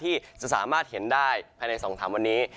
ที่จะสามารถเห็นได้ภายใน๒๓วันนี้